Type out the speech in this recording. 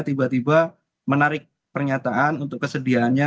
tiba tiba menarik pernyataan untuk kesediaannya